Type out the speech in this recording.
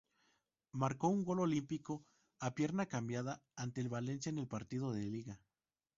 Marcó un gol olímpico a pierna cambiada ante el Valencia en partido de Liga.